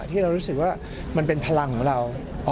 ที่เรารู้สึกว่ามันเป็นพลังของเรา